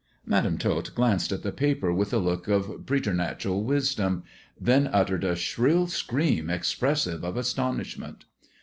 Madam Tot glanced at the paper with a look of preter natural wisdom, then uttered a shrill scream expressive of astonishment.